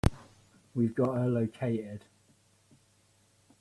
We've got her located.